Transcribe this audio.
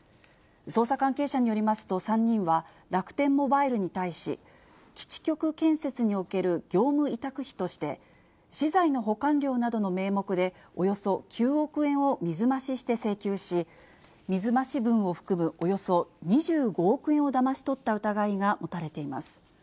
捜査関係者によりますと３人は、楽天モバイルに対し、基地局建設における業務委託費として、資材の保管料などの名目で、およそ９億円を水増しして請求し、水増し分を含むおよそ２５億円をだまし取った疑いが持たれています。